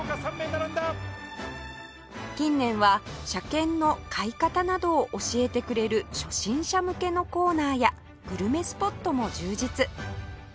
近年は車券の買い方などを教えてくれる初心者向けのコーナーやグルメスポットも充実